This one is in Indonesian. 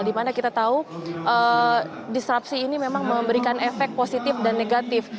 di mana kita tahu disruption ini memang memberikan efek positif dan negatif